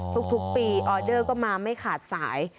ทุกปีออเดอร์ก็มาไม่ขาดสาย